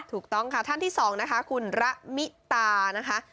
ถูกต้องค่ะท่านที่สองนะคะคุณระมิตานะคะ